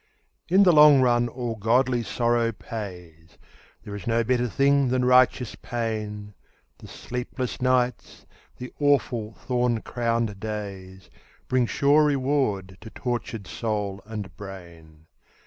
In the long run all godly sorrow pays, There is no better thing than righteous pain, The sleepless nights, the awful thorn crowned days, Bring sure reward to tortured soul and brain.